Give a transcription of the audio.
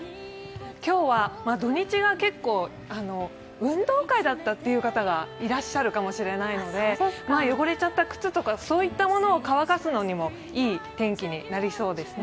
今日は土日が結構、運動会だったという方がいらっしゃるかもしれないので、汚れちゃった靴とかそういったものを乾かすのにもいい天気になりそうですね。